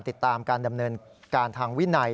ติดตามการดำเนินการทางวินัย